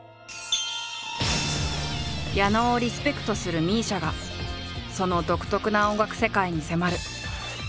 矢野をリスペクトするＭＩＳＩＡがその独特な音楽世界に迫る。